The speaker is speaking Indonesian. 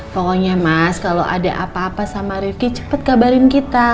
pokoknya mas kalo ada apa apa sama rifqi cepet kabarin kita